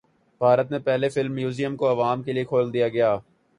بھارت میں پہلے film museum کو عوام کے لیے کھول دیا گیا